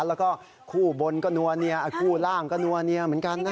แล้วก็คู่บนก็นัวเนียคู่ล่างก็นัวเนียเหมือนกันนะ